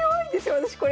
私これ。